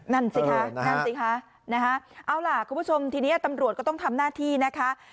นั่นสิคะนั่นสิคะนะคะเอาล่ะคุณผู้ชมทีนี้ตำรวจก็ต้องทำหน้าที่นะคะ